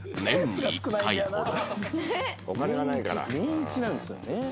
「年１なんですよね」